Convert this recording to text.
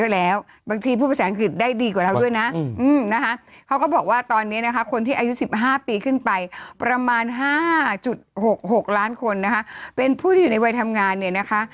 ๖ล้านคนนะคะเป็นผู้ที่อยู่ในวัยทำงานเนี่ยนะคะ